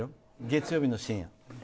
月曜日の深夜。